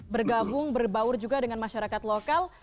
bergabung berbaur juga dengan masyarakat lokal